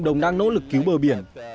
chúng tôi đang nỗ lực cứu bờ biển